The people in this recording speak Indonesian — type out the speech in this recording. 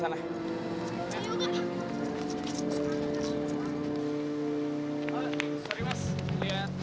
mana sih kalian tuh salah liat kali